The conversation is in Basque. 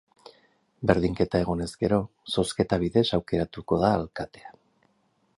Berdinketa egonez gero, zozketa bidez aukeratuko da alkatea.